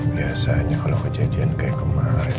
biasanya kalau kejadian kayak kemarin